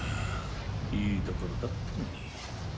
いいところだってのに。